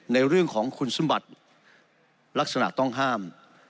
ในเรื่องของคุณสมบัติลักษณะต้องห้าม